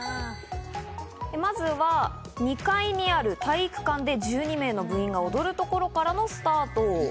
まずは２階にある体育館で１２名の部員が踊るところからのスタート。